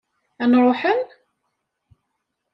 Ad n-ruḥen?